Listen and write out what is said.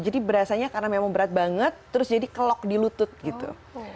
jadi berasanya karena memang berat banget terus jadi kelok di lutut gitu